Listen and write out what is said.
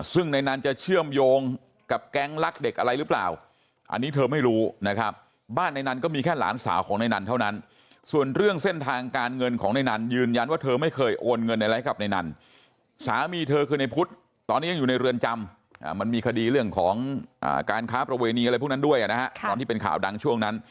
ซึ่งในนั้นจะเชื่อมโยงกับแก๊งรักเด็กอะไรหรือเปล่าอันนี้เธอไม่รู้นะครับบ้านในนั้นก็มีแค่หลานสาวของนายนันเท่านั้นส่วนเรื่องเส้นทางการเงินของในนั้นยืนยันว่าเธอไม่เคยโอนเงินอะไรให้กับในนั้นสามีเธอคือในพุทธตอนนี้ยังอยู่ในเรือนจำมันมีคดีเรื่องของการค้าประเวณีอะไรพวกนั้นด้วยนะฮะตอนที่เป็นข่าวดังช่วงนั้น